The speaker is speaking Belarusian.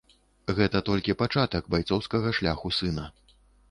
Гэта толькі пачатак байцоўскага шляху сына.